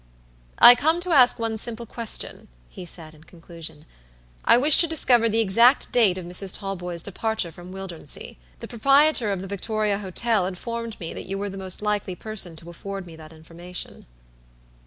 "I come to ask one simple question," he said, in conclusion, "I wish to discover the exact date of Mrs. Talboys' departure from Wildernsea. The proprietor of the Victoria Hotel informed me that you were the most likely person to afford me that information."